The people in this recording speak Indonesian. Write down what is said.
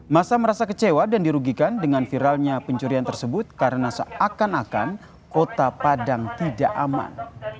masa merasa kecewa dan dirugikan dengan viralnya pencurian tersebut karena seakan akan kota padang tidak aman